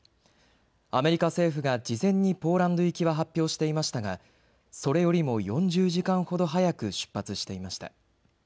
アメリカ政府が事前にポーランド行きは発表していましたがそれよりも４０時間ほど早く出発していました。